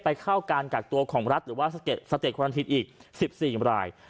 ไปเข้าการกัดตัวของรัฐหรือว่าสเตรียมควรันทิตย์อีก๑๔ราย